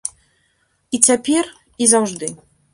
І цяпер, і заўжды.